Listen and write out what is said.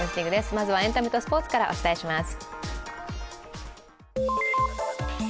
まずはエンタメとスポーツからお伝えします。